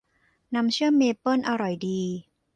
น้ำเชื่อมเมเปิลอร่อยดี